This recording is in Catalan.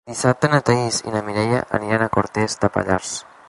Dissabte na Thaís i na Mireia aniran a Cortes de Pallars.